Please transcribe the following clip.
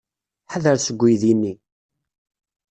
Ḥadret seg uydi-nni!